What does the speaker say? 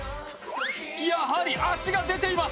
やはり足が出ています。